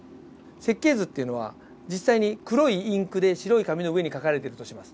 設計図っていうのは実際に黒いインクで白い紙の上に描かれているとします。